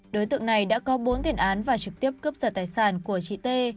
đối tượng này đã có bốn tiền án và trực tiếp cướp giật tài sản của chị t